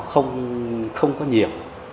không không có nhiều